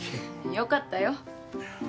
良かったよ。